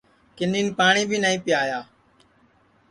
کِنین پاٹؔی بی نائی پیایا